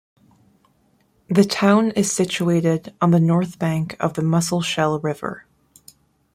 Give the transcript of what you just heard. The town is situated on the north bank of the Musselshell River.